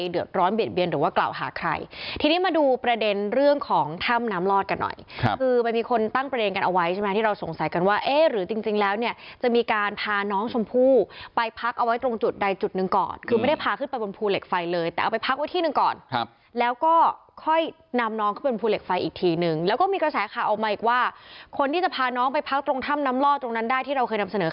เอาไว้ใช่ไหมที่เราสงสัยกันว่าเอ๊ะหรือจริงแล้วเนี่ยจะมีการพาน้องชมพู่ไปพักเอาไว้ตรงจุดใดจุดนึงก่อนคือไม่ได้พาขึ้นไปบนภูเหล็กไฟเลยแต่เอาไปพักไว้ที่นึงก่อนแล้วก็ค่อยนำน้องเข้าไปบนภูเหล็กไฟอีกทีนึงแล้วก็มีกระแสขาวมาอีกว่าคนที่จะพาน้องไปพักตรงถ้ำน้ำล่อตรงนั้นได้ที่เราเคยน